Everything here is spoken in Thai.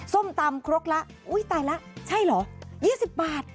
ส้มตำครกละอุ้ยตายแล้วใช่เหรอ๒๐บาท